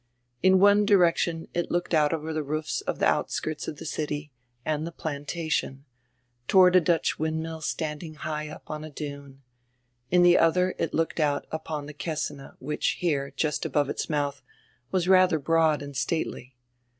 In one direction it looked out over die roofs of die outskirts of die city and die "Plantation," toward a Dutch windmill standing high up on a dune; in the odier it looked out upon die Kessine, which here, just above its mouth, was radier broad and stately.